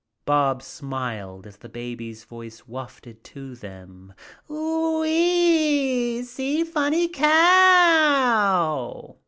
Bobs smiled as the baby voice wafted to them, "Ohee, see funny cow!"